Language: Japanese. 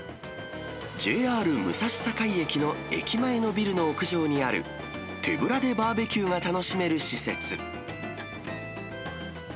ＪＲ武蔵境駅の駅前のビルの屋上にある手ぶらでバーベキューが楽しめる施設。